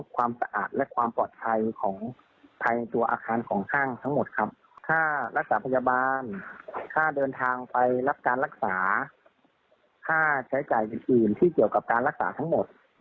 การรักษาค่าใช้จ่ายอื่นที่เกี่ยวกับการรักษาทั้งหมด